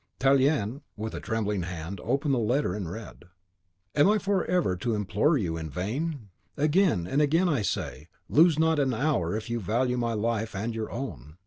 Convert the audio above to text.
Tallien, with a trembling hand, opened the letter, and read, "Am I forever to implore you in vain? Again and again I say, 'Lose not an hour if you value my life and your own.